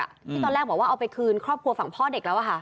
ที่ตอนแรกบอกว่าเอาไปคืนครอบครัวฝั่งพ่อเด็กแล้วค่ะ